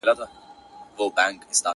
o غر که لوړ دئ، پر سر ئې لار ده٫